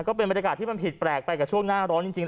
ก็เป็นบรรยากาศที่มันผิดแปลกไปกับช่วงหน้าร้อนจริง